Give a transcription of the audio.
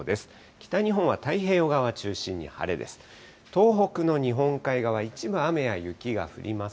北日本は太平洋側を中心に晴れです。